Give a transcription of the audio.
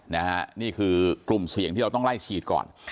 นี่คือกลุ่มเสี่ยงที่เราต้องไล่ฉีดก่อน